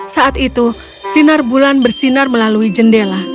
saat itu sinar bulan bersinar melalui jendela